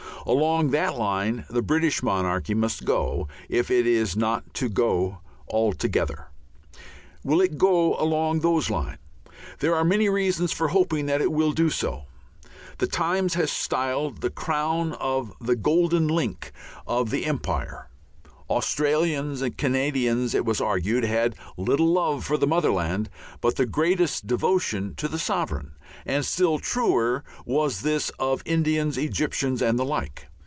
Along that line the British monarchy must go if it is not to go altogether. Will it go along those lines? There are many reasons for hoping that it will do so. The Times has styled the crown the "golden link" of the empire. Australians and Canadians, it was argued, had little love for the motherland but the greatest devotion to the sovereign, and still truer was this of Indians, Egyptians, and the like.